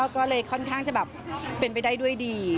ก็เลยค่อนข้างจะแบบเป็นไปได้ด้วยดี